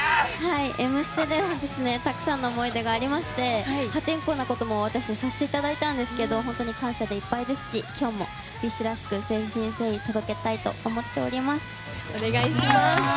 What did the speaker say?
「Ｍステ」ではたくさんの思い出がありまして破天荒なことも私たちさせてもらったんですけど本当に感謝でいっぱいですし今日もＢｉＳＨらしく誠心誠意届けたいと思っております。